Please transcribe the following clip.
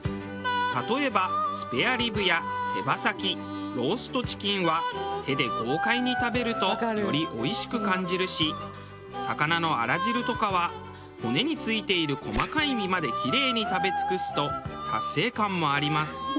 例えばスペアリブや手羽先ローストチキンは手で豪快に食べるとよりおいしく感じるし魚のあら汁とかは骨に付いている細かい身までキレイに食べ尽くすと達成感もあります。